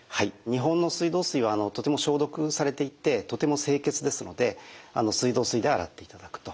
日本の水道水はとても消毒されていてとても清潔ですので水道水で洗っていただくと。